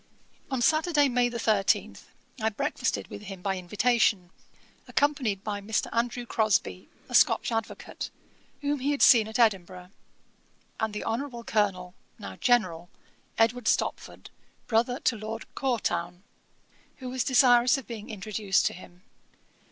On Saturday, May 13, I breakfasted with him by invitation, accompanied by Mr. Andrew Crosbie, a Scotch Advocate, whom he had seen at Edinburgh, and the Hon. Colonel (now General) Edward Stopford, brother to Lord Courtown, who was desirous of being introduced to him.